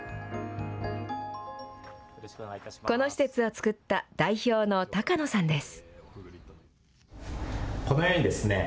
この施設を作った代表の高野さんです。